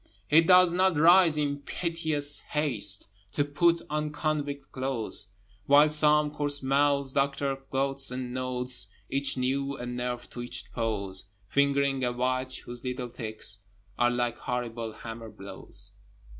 He does not rise in piteous haste To put on convict clothes, While some coarse mouthed Doctor gloats, and notes Each new and nerve twitched pose, Fingering a watch whose little ticks Are like horrible hammer blows.